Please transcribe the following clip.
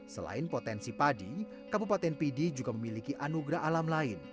selain potensi padi kabupaten pidi juga memiliki anugerah alam lain